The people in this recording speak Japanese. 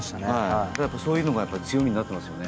そういうのが強みになってますよね